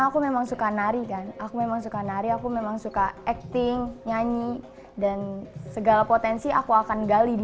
kisah kisah yang menjadikan anak bangsa tersebut terkenal